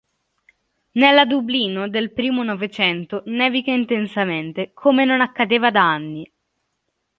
Nella Dublino del primo Novecento nevica intensamente, come non accadeva da anni.